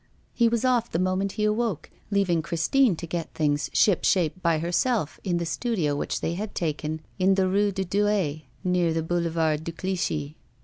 He was off the moment he awoke, leaving Christine to get things shipshape by herself in the studio which they had taken in the Rue de Douai, near the Boulevard de Clichy.